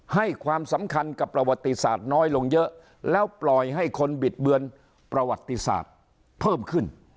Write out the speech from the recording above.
ให้ความสำคัญกับประวัติศาสตร์น้อยลงเยอะแล้วปล่อยให้คนบิดเบือนประวัติศาสตร์เพิ่มขึ้น